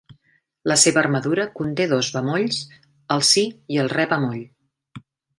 La seva armadura conté dos bemolls, el si i el re bemoll.